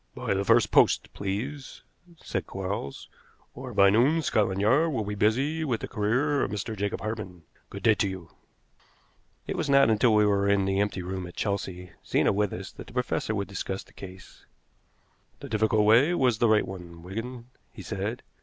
"By the first post, please," said Quarles, "or by noon Scotland Yard will be busy with the career of Mr. Jacob Hartmann. Good day to you." It was not until we were in the empty room at Chelsea, Zena with us, that the professor would discuss the case. "The difficult way was the right one, Wigan," he said.